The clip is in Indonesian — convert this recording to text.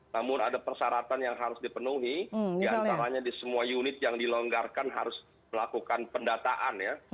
namun ada persyaratan yang harus dipenuhi diantaranya di semua unit yang dilonggarkan harus melakukan pendataan ya